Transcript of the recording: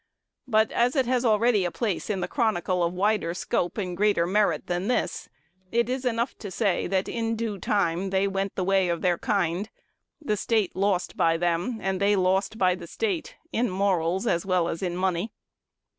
But, as it has already a place in a chronicle of wider scope and greater merit than this, it is enough to say that in due time they went the way of their kind, the State lost by them, and they lost by the State, in morals as well as in money.